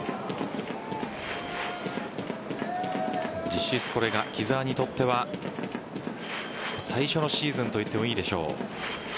実質これが木澤にとっては最初のシーズンといってもいいでしょう。